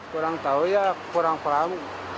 kurang tahu ya kurang paham